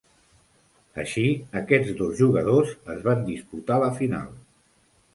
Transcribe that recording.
Així, aquests dos jugadors es van disputar la final.